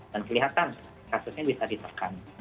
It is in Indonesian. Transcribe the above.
dan kelihatan kasusnya bisa ditekan